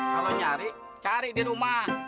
kalau nyari cari di rumah